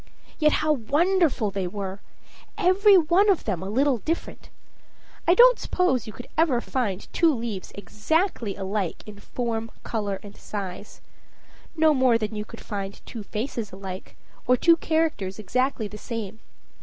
Yet how wonderful they are every one of them a little different. I don't suppose you could ever find two leaves exactly alike in form, color, and size no more than you could find two faces alike, or two characters exactly the same.